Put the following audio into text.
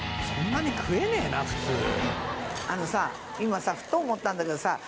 普通あのさ今さふと思ったんだけどさ